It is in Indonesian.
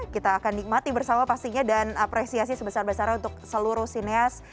kita akan nikmati bersama pastinya dan apresiasi sebesar besarnya untuk seluruh sineas